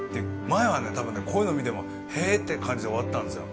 前はね、こういうの見てもへぇって感じで終わってたんですよ。